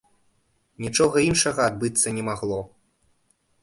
Нічога іншага адбыцца не магло.